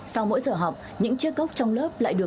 sau mỗi giờ học những chiếc cốc trong lớp lại được đun sôi